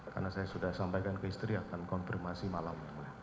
karena saya sudah sampaikan ke istri akan konfirmasi malam